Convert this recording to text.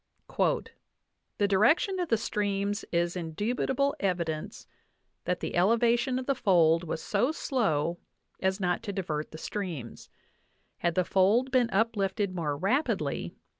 "The direction of the streams is indubitable evidence that the elevation of the fold was so slow as not to divert the streams. ... Had the fold been uplifted more rapidly